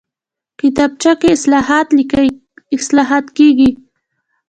کتابچه کې اصلاحات کېږي